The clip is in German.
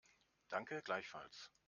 Danke, gleichfalls.